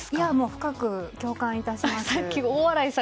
深く共感いたします。